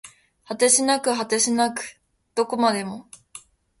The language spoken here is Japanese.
果てしなく果てしなくどこまでも